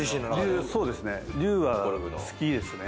龍が龍は好きですね。